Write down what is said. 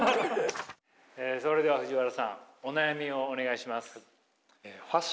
それでは藤原さんお悩みをお願いします。